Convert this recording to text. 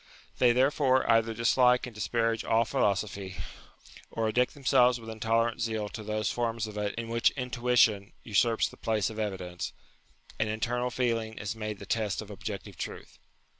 They, therefore, either dislike and disparage all philo sophy, or addict themselves with intolerant zeal to those forms of it in which intuition usurps the place of evidence, and internal feeling is made the test of objective truth.